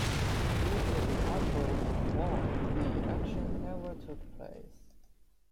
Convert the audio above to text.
Due to the outbreak of war, the election never took place.